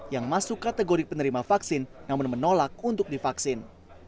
yang masuk kategori penerima vaksin namun menolak untuk divaksin